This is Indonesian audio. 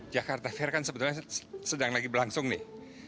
jakarta fair kan sebetulnya sedang lagi berlangsung nih